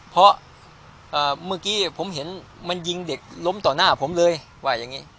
เพราะเมื่อกี้ผมเห็นมันยิงเด็กล้มต่อหน้าผมเลยว่าอย่างนี้